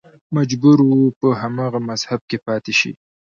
مجبور و په هماغه مذهب کې پاتې شي